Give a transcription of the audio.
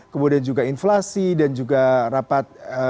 kemudian juga inflasi dan juga rapat